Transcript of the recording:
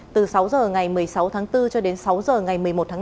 từ sáu h ngày một mươi sáu tháng bốn cho đến sáu h ngày một mươi một tháng năm